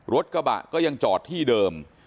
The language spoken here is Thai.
รถกระบะก็ยังจอดที่เดิม